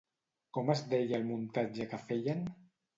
Com es deia el muntatge que feien?